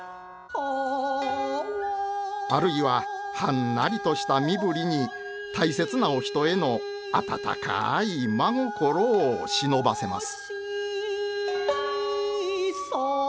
あるいははんなりとした身振りに大切なお人への温かい真心を忍ばせます。